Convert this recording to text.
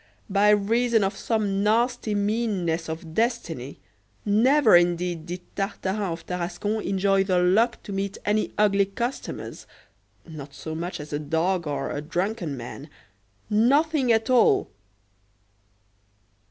by reason of some nasty meanness of destiny, never indeed did Tartarin of Tarascon enjoy the luck to meet any ugly customers not so much as a dog or a drunken man nothing at all!